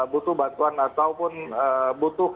butuh bantuan ataupun butuh